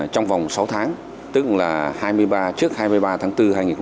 trong vòng sáu tháng tức là trước hai mươi ba tháng bốn hai nghìn một mươi tám